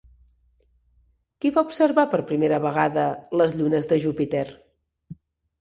Qui va observar per primera vegada les llunes de Júpiter?